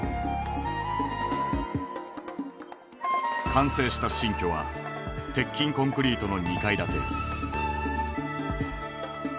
完成した新居は鉄筋コンクリートの２階建て。